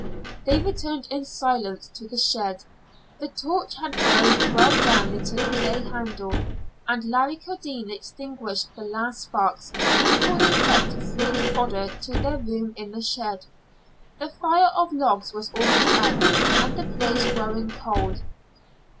They returned in silence to the shed. The torch had burned well down into the clay handle, and Larry Kildene extinguished the last sparks before they crept through the fodder to their room in the shed. The fire of logs was almost out, and the place growing cold.